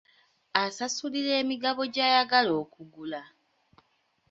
Asasulira emigabo gy'ayagala okugula.